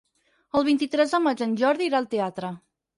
El vint-i-tres de maig en Jordi irà al teatre.